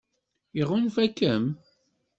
Iɣunfa-kem?